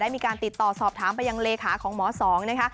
มีการติดต่อสอบถามไปยังเลขาของหมอสองนะคะ